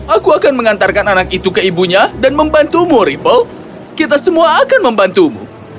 aku akan mengantarkan anak itu ke ibunya dan membantumu ripple kita semua akan membantumu